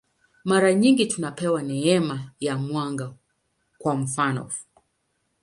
Mara nyingi tunapewa neema ya mwanga, kwa mfanof.